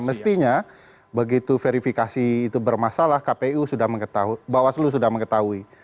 mestinya begitu verifikasi itu bermasalah kpu sudah mengetahui bawaslu sudah mengetahui